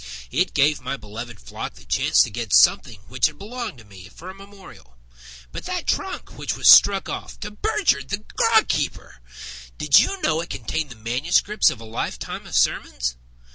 It gave my beloved flock the chance To get something which had belonged to me For a memorial. But that trunk which was struck off To Burchard, the grog keeper! Did you know it contained the manuscripts Of a lifetime of sermons?